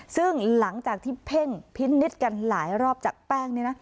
ซึ่งหลังจากที่เพ่งพินิษฐ์กันหลายรอบจากแป้งเนี่ยนะ